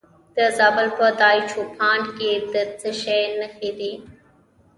د زابل په دایچوپان کې د څه شي نښې دي؟